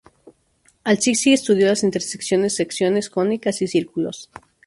Al-Sijzi estudió las intersecciones de secciones cónicas y círculos.